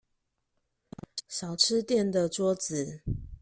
小吃店的桌子